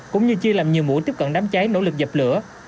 cũng như chia làm nhiều mũi tiếp cận đám cháy nỗ lực dập lửa